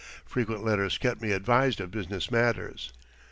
Frequent letters kept me advised of business matters.